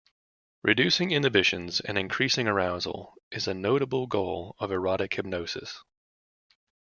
Reducing inhibitions and increasing arousal is a notable goal of erotic hypnosis.